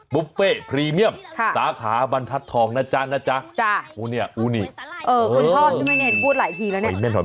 บุฟเฟ่พรีเมียมสาขาบรรทัศน์ทองนะจ๊ะนะจ๊ะนี่คุณชอบใช่ไหมเนี่ยพูดหลายทีแล้วเนี่ย